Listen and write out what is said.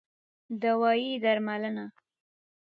دوايي √ درملنه